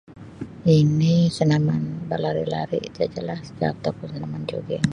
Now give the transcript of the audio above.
Ini senaman berlari-lari tu ja lah ataupun senaman jogging.